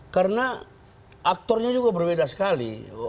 karena aktornya juga berbeda sekali